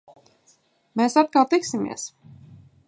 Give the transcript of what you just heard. Mēs atkal tiksimies!